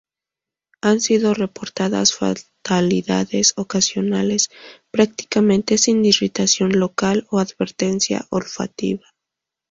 Han sido reportadas fatalidades ocasionales, prácticamente sin irritación local o advertencia olfativa.